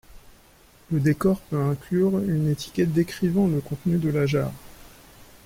Le décor peut inclure une étiquette décrivant le contenu de la jarre.